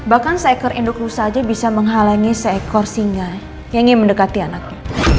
bahkan seekor induk rusa saja bisa menghalangi seekor singa yang ingin mendekati anaknya